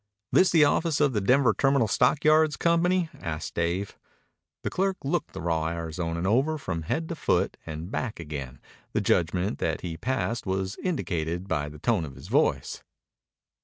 "This the office of the Denver Terminal Stockyards Company?" asked Dave. The clerk looked the raw Arizonan over from head to foot and back again. The judgment that he passed was indicated by the tone of his voice.